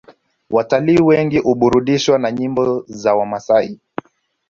Watalii wengi huburudishwa na nyimbo za wamasai